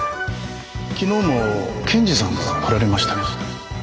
昨日も検事さんが来られましたけど。